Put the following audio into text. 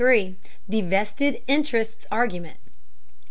THE VESTED INTERESTS ARGUMENT.